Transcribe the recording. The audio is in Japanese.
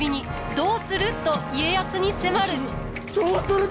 どうするだ？